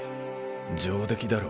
上出来だろ。